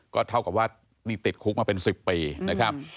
ก็เท่ากับว่านี่ติดคุกมาเป็น๑๐ปีนะครับ